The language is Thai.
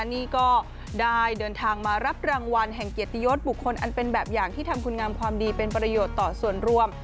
นี่ก็ได้เดินทางมารับรางวัลแห่งเกียรติยศบุคคลอันเป็นแบบอย่างที่ทำคุณงามความดีเป็นประโยชน์ต่อส่วนรวม